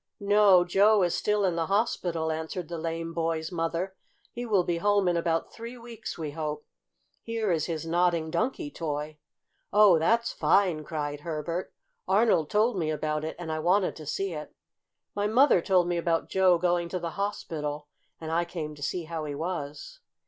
"No, Joe is still in the hospital," answered the lame boy's mother. "He will be home in about three weeks, we hope. Here is his Nodding Donkey toy." "Oh, that's fine!" cried Herbert. "Arnold told me about it, and I wanted to see it. My mother told me about Joe going to the hospital, and I came to see how he was."